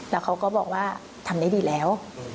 แล้วเขาก็บอกว่าทำได้ดีแล้ว